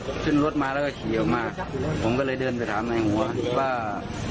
คนร้ายเนี้ยขึ้นรถมาแล้วก็ขี่ออกมาผมก็เลยเดินไปถามนายหัวว่าว่า